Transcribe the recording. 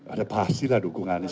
ada pasti lah dukungan anis